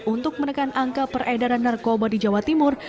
untuk menekan angka peredaran narkoba di jawa timur